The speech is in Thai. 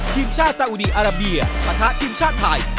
ทีมชาติสาอุดีอาราเบียปะทะทีมชาติไทย